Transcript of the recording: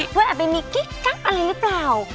ว่าอาจจะมีกิ๊กอะไรหรือเปล่า